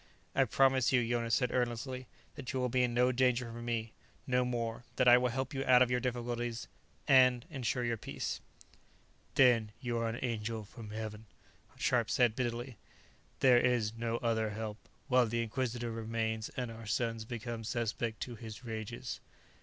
"I promise you," Jonas said earnestly, "that you will be in no danger from me. No, more: that I will help you out of your difficulties, and ensure your peace." "Then you are an angel from Heaven," Scharpe said bitterly. "There is no other help, while the Inquisitor remains and our sons become suspect to his rages."